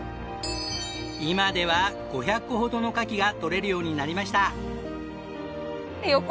今では５００個ほどのカキが採れるようになりました。